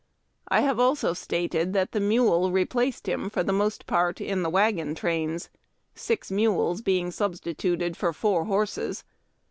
I have also stated that the mule replaced him, for the most part, in the wagon trains, six mules being substituted for four horses.